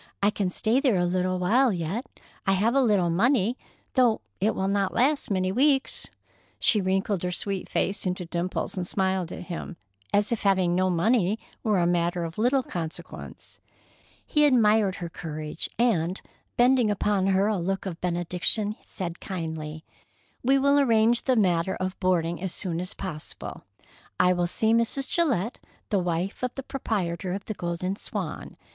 "I can stay there a little while yet. I have a little money, though it will not last many weeks." She wrinkled her sweet face into dimples and smiled at him, as if having no money were a matter of little consequence. He admired her courage, and, bending upon her a look of benediction, said kindly: "We will arrange the matter of boarding as soon as possible. I will see Mrs. Gillette, the wife of the proprietor of the Golden Swan.